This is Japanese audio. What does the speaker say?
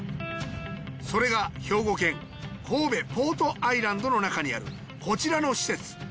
それが兵庫県神戸ポートアイランドの中にあるこちらの施設。